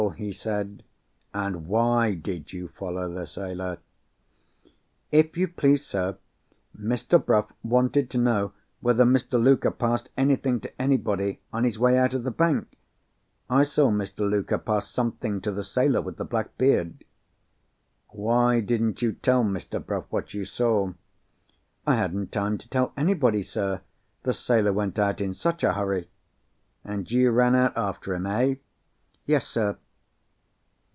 he said—"and why did you follow the sailor?" "If you please, sir, Mr. Bruff wanted to know whether Mr. Luker passed anything to anybody on his way out of the bank. I saw Mr. Luker pass something to the sailor with the black beard." "Why didn't you tell Mr. Bruff what you saw?" "I hadn't time to tell anybody, sir, the sailor went out in such a hurry." "And you ran out after him—eh?" "Yes, sir."